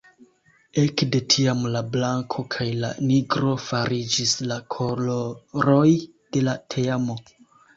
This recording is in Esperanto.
Ekde tiam la blanko kaj la nigro fariĝis la koloroj de la teamo.